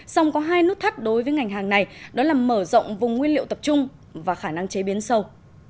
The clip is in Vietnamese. song có hai nút thắt đối với ngành hàng này đó là mở rộng vùng nguyên liệu tập trung và khả năng chế biến sâu